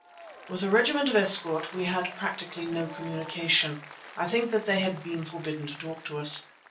With the regiment of escort we had practically no communication; I think that they had been forbidden to talk to us.